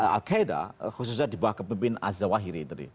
al qaeda khususnya di bawah kepimpin azza wahiri tadi